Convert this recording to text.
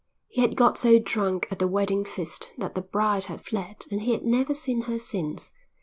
He had got so drunk at the wedding feast that the bride had fled and he had never seen her since.